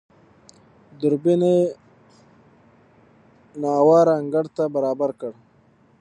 دوربين يې نااواره انګړ ته برابر کړ.